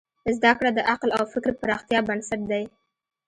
زدهکړه د عقل او فکر پراختیا بنسټ دی.